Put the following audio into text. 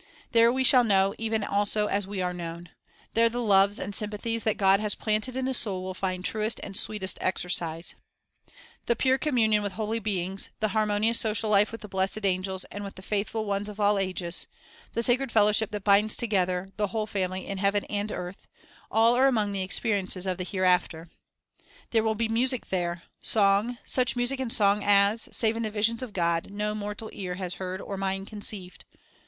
There we shall know even as also we are known. There the loves and sympathies that God has planted in the soul will find truest and sweetest exercise. The pure communion with holy beings, the harmonious social life with the blessed angels and with the faithful ones of all ages, the sacred fellowship that binds together "the whole family in heaven and earth," — all are among the experiences of the hereafter. The School of the Hereafter 307 There will be music there, and song, such music and song as, save in the visions of God, no mortal ear has heard or mind conceived.